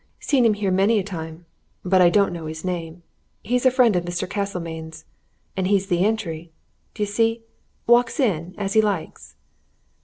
"Seen him here many a time, but I don't know his name. He's a friend of Mr. Castlemayne's, and he's the entry, d'ye see walks in as he likes."